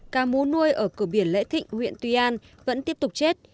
cá mú nuôi ở cửa biển lễ thịnh huyện tuy an vẫn tiếp tục chết